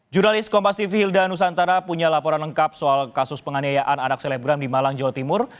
jurnalis kompas tv hilda nusantara punya laporan lengkap soal kasus penganiayaan anak selebgram di malang jawa timur